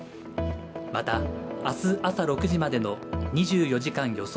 また、明日朝６時までの２４時間予想